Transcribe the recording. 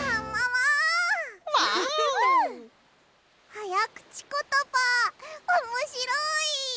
はやくちことばおもしろい！